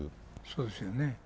そうですよね。